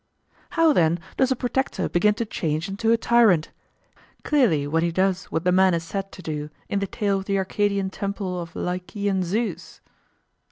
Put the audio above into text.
How then does a protector begin to change into a tyrant? Clearly when he does what the man is said to do in the tale of the Arcadian temple of Lycaean Zeus.